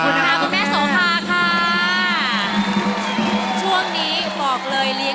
ขอบคุณแม่สฝาค่ะ